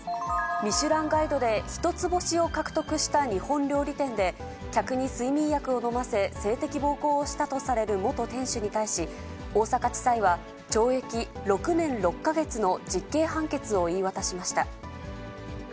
ミシュランガイドで１つ星を獲得した日本料理店で、客に睡眠薬を飲ませ、性的暴行をしたとされる元店主に対し、大阪地裁は懲役６年６か月の実刑判決を言い渡しました。